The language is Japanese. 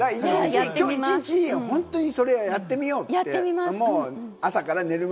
きょう一日、本当にやってみようって。